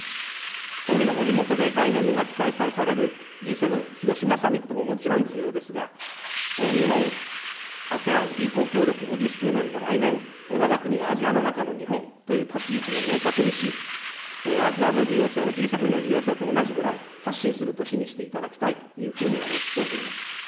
総理のご地元で来年５月開催されるＧ７広島サミットももちろん重要ですが、日本ＡＳＥＡＮ友好協力５０周年の来年、わが国がアジアの中の日本という立ち位置も明確にし、アジアの重要性をＧ７の重要性と同じぐらい発信する年にしていただきたいというふうに思っております。